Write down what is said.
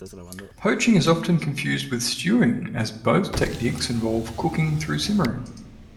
Poaching is often confused with stewing, as both techniques involve cooking through simmering.